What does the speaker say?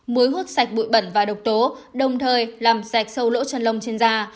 muối hút sạch bụi bẩn và độc tố đồng thời làm sạch sâu lỗ chân lông trên da